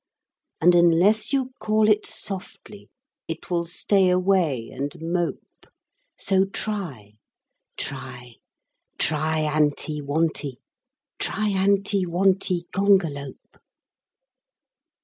And unless you call it softly it will stay away and mope. So try: Tri Tri anti wonti Triantiwontigongolope.